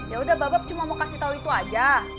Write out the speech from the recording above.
yaudah bapak cuma mau kasih tau itu aja